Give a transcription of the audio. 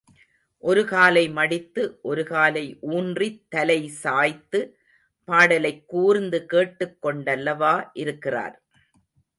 ஒரு காலை மடித்து ஒரு காலை ஊன்றித்தலை சாய்த்து, பாடலைக் கூர்ந்து கேட்டு கொண்டல்லவா இருக்கிறார்.